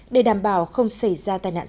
để đảm bảo không xảy ra tai nạn